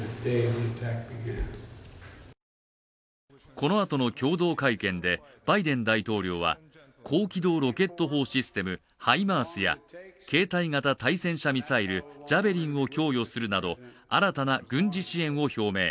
このあとの共同会見でバイデン大統領は高機動ロケット砲システム・ハイマースや携帯型対戦車ミサイル・ジャベリンを供与するなど、新たな軍事支援を表明。